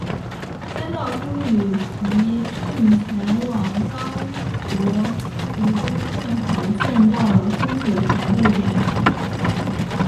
甘道夫与皮聘前往刚铎途中正好见到了烽火台被点燃。